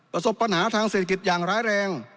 ประสบปัญหาทางเศรษฐกิจอย่างร้ายแรง